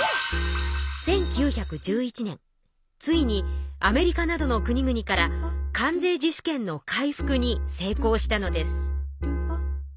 ついにアメリカなどの国々から関税自主権の回復に成功したのです。